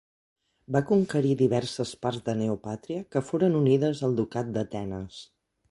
Va conquerir diverses parts de Neopàtria que foren unides al ducat d'Atenes.